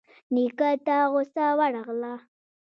نيکه ته غوسه ورغله.